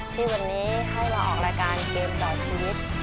ที่วันนี้ให้เราออกรายการเกมต่อชีวิต